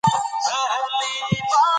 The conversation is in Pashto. سپینې غوښې د سرو غوښو په پرتله غوره دي.